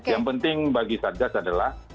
yang penting bagi satgas adalah